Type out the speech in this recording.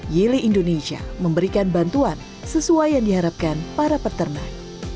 yeli indonesia memberikan bantuan sesuai yang diharapkan para peternak